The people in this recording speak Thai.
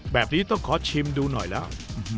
แบบนี้ต้องขอชิมดูหน่อยแล้ว